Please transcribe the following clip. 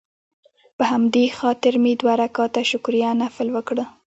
په همدې خاطر مې دوه رکعته شکريه نفل وکړ.